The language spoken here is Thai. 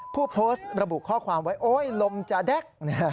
ผู้โพสต์ระบุข้อความไว้โอ๊ยลมจาแด๊ก